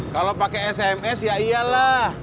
kalau pakai sms ya iyalah